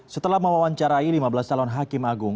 setelah mewawancarai lima belas calon hakim agung